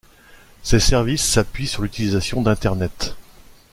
Ses services s'appuient sur l'utilisation d'Internet.